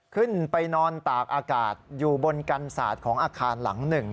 ขึ้นไปนอนตากอากาศอยู่บนกันศาสตร์ของอาคารหลังหนึ่ง